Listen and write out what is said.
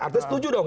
artinya setuju dong